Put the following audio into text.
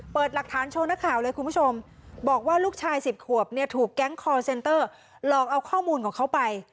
หลักฐานโชว์นักข่าวเลยคุณผู้ชมบอกว่าลูกชาย๑๐ขวบเนี่ยถูกแก๊งคอร์เซ็นเตอร์หลอกเอาข้อมูลของเขาไป